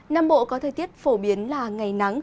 nam bộ có thời tiết phổ biến là ngày nắng